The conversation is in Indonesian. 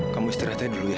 kamu istirahatnya dulu ya